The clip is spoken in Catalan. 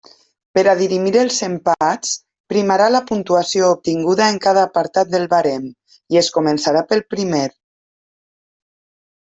Per a dirimir els empats primarà la puntuació obtinguda en cada apartat del barem, i es començarà pel primer.